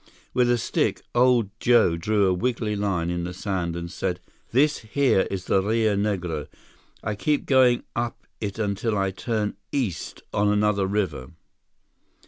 With a stick, old Joe drew a wiggly line in the sand and said: "This here is the Rio Negro. I keep going up it until I turn east on another river."